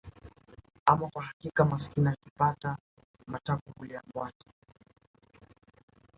Ama kwa hakika maskini akipata matako hulia mbwata